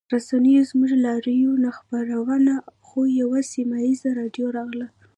رسنیو زموږ لاریون نه خپراوه خو یوه سیمه ییزه راډیو راغله